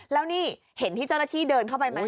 แล้วนี่เห็นที่เจ้าหน้าที่เดินเข้าไปไหม